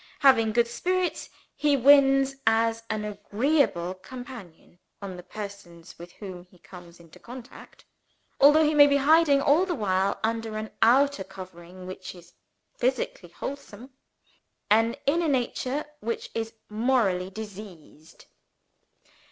Having good spirits, he wins as an agreeable companion on the persons with whom he comes in contact although he may be hiding all the while, under an outer covering which is physically wholesome, an inner nature which is morally diseased.